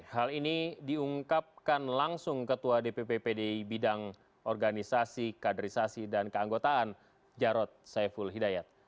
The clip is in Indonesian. hal ini diungkapkan langsung ketua dpp pdi bidang organisasi kaderisasi dan keanggotaan jarod saiful hidayat